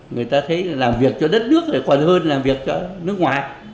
người ta thấy làm việc cho đất nước này còn hơn làm việc cho nước ngoài